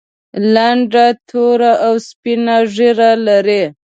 لنډه توره او سپینه ږیره لري.